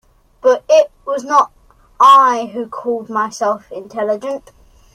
But it was not I who called myself intelligent.